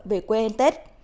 về quê em tết